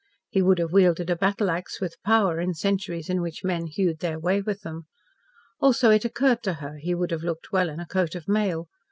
He would have wielded a battle axe with power in centuries in which men hewed their way with them. Also it occurred to her he would have looked well in a coat of mail.